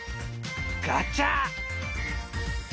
ガチャ！